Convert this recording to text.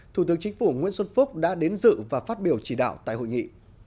thủ tướng chính phủ nguyễn xuân phúc đã đến dự và phát biểu chỉ đạo tại hội nghị